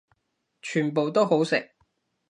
全部都好食